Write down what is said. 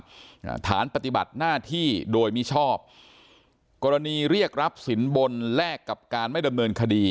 อ่าฐานปฏิบัติหน้าที่โดยมิชอบกรณีเรียกรับสินบนแลกกับการไม่ดำเนินคดี